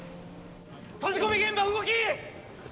閉じ込め現場動き！